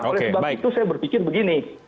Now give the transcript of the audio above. oleh sebab itu saya berpikir begini